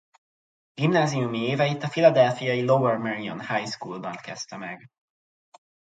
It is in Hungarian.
Gimnáziumi éveit a philadelphiai Lower Merion High Schoolban kezdte meg.